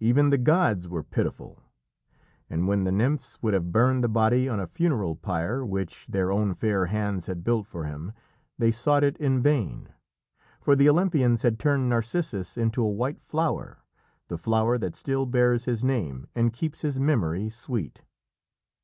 Even the gods were pitiful, and when the nymphs would have burned the body on a funeral pyre which their own fair hands had built for him, they sought it in vain. For the Olympians had turned Narcissus into a white flower, the flower that still bears his name and keeps his memory sweet.